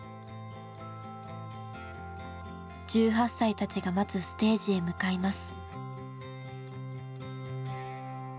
１８歳たちが待つステージへ向かいます。